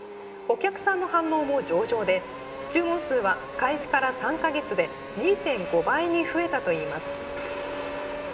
お客さんの反応も上々で、注文数は開始から３か月で、２．５倍に増えたといいます。